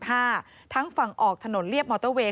ออนุส๖๕ทางฝั่งออกถนนเลียบมอเตอร์เวย์